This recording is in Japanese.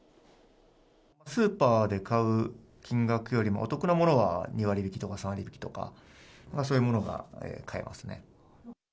スーパーで買う金額よりもお得なものは２割引きとか、３割引きとか、そういうものが買えます